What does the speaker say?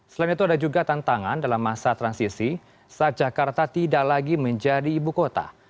selain itu ada juga tantangan dalam masa transisi saat jakarta tidak lagi menjadi ibu kota